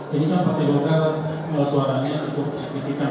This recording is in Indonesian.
pak ini pak partai golkar melesurannya cukup signifikan